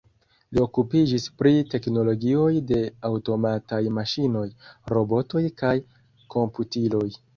Li okupiĝis pri teknologioj de aŭtomataj maŝinoj, robotoj kaj komputiloj.